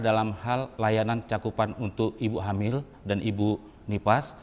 dalam hal layanan cakupan untuk ibu hamil dan ibu nipas